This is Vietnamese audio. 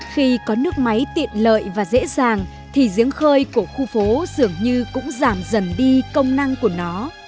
khi có nước máy tiện lợi và dễ dàng thì giếng khơi của khu phố dường như cũng giảm dần đi công năng của nó